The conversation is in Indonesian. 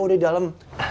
udah di dalam